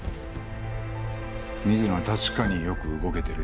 水野は確かによく動けてる。